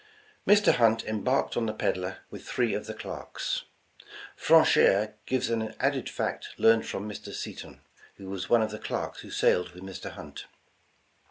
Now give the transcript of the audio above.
Mr. Hunt embarked on the Pedler with three of the clerks. Franchere gives an added fact learned from Mr. Seton, who was one of the clerks who sailed with Mr. Hunt.